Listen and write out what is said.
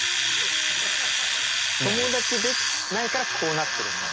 フフ友達できないからこうなってるの。